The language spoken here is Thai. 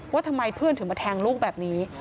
ว่าทำไมเพื่อนถึงมาแทงลูกแบบนี้